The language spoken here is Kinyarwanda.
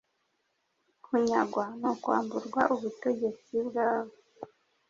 Kunyagwa: ni ukwamburwa ubutegetsi bwawe.